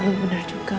ya bener juga